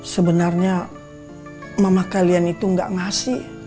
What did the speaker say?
sebenarnya mama kalian itu gak ngasih